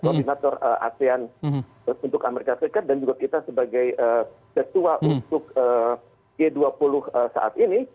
koordinator asean untuk amerika serikat dan juga kita sebagai ketua untuk g dua puluh saat ini